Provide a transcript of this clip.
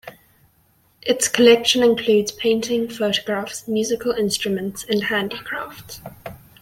Its collection includes paintings, photographs, musical instruments and handicrafts.